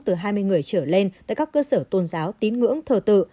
từ hai mươi người trở lên tại các cơ sở tôn giáo tín ngưỡng thờ tự